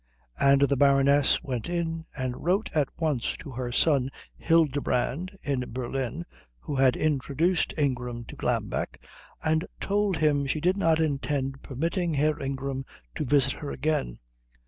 And the Baroness went in and wrote at once to her son Hildebrand in Berlin, who had introduced Ingram to Glambeck, and told him she did not intend permitting Herr Ingram to visit her again.